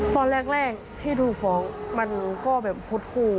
ตอนแรกที่ถูกฟ้องมันก็แบบคดคู่